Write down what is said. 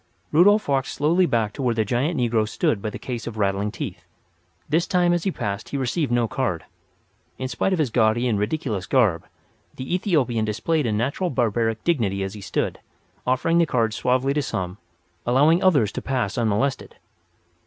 Rudolf walked slowly back to where the giant negro stood by the case of rattling teeth. This time as he passed he received no card. In spite of his gaudy and ridiculous garb, the Ethiopian displayed a natural barbaric dignity as he stood, offering the cards suavely to some, allowing others to pass unmolested.